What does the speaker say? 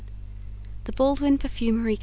The Baldwin Perfumery Co.